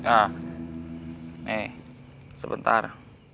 ah nih sebentar